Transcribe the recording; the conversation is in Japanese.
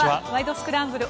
スクランブル」